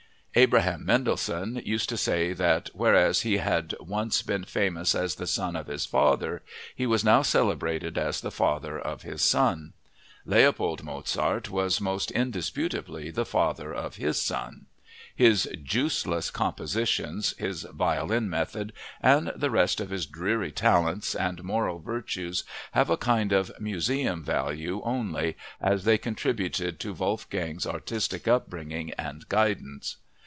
Abraham Mendelssohn used to say that, whereas he had once been famous as the son of his father, he was now celebrated as the father of his son. Leopold Mozart was most indisputably the father of his son. His juiceless compositions, his violin method, and the rest of his dreary talents and moral virtues have a kind of museum value only as they contributed to Wolfgang's artistic upbringing and guidance.